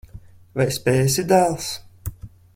Vai spēsi, dēls?